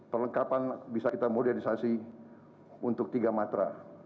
perlengkapan bisa kita modernisasi untuk tiga matra